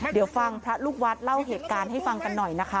เดี๋ยวฟังพระลูกวัดเล่าเหตุการณ์ให้ฟังกันหน่อยนะคะ